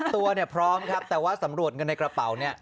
ตัวเนี่ยพร้อมครับแต่ว่าสำรวจเงินในกระเป๋าเนี่ย